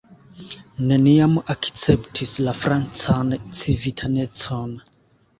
Neniam akceptis la francan civitanecon.